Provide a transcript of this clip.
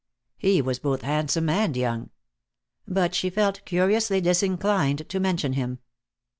He was both handsome and young. But she felt curiously disinclined to mention him.